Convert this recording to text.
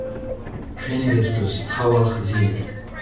Prenet ez peus trawalc'h a zilhad.